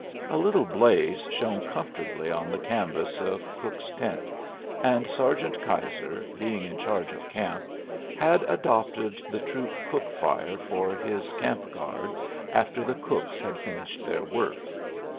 A little blaze shone comfortably on the canvas of Crook's tent, and Sergeant Keyser, being in charge of camp, had adopted the troop cook fire for his camp guard after the cooks had finished their work.